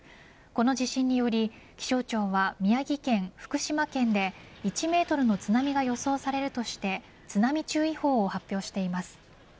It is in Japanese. この地震により気象庁は宮城県、福島県で１メートルの津波が予想されるとして津波注意報を発表しています。